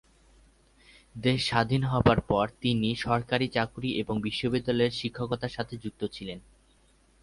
দেশ স্বাধীন হবার পর তিনি সরকারী চাকুরী এবং বিশ্ববিদ্যালয়ের শিক্ষকতার সাথে যুক্ত ছিলেন।